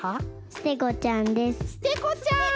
ステゴちゃん！